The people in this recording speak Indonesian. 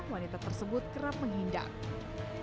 wanita tersebut kerap menghindang